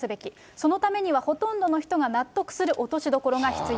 そのためには、ほとんどの人が納得する落としどころが必要。